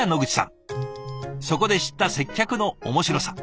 そこで知った接客の面白さ。